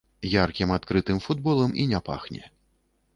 Яркім адкрытым футболам і не пахне.